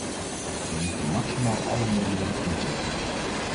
We moeten maximaal alle middelen inzetten.